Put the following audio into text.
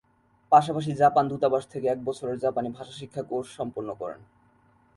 পাশাপাশি জাপান দূতাবাস থেকে এক বছরের জাপানি ভাষা শিক্ষা কোর্স সম্পন্ন করেন।